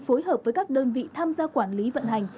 phối hợp với các đơn vị tham gia quản lý vận hành